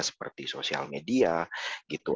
seperti sosial media gitu